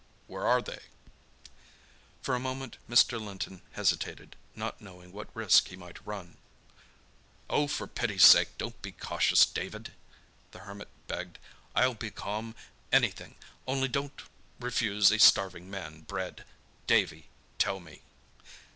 "Where are they?" For a moment Mr. Linton hesitated, not knowing what risk he might run. "Oh! for pity's sake don't be cautious, David," the Hermit begged. "I'll be calm—anything—only don't refuse a starving man bread! Davy, tell me!"